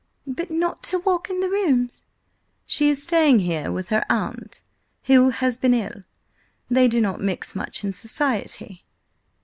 "But not to walk in the Rooms—!" "She is staying here with her aunt, who has been ill. They do not mix much in society."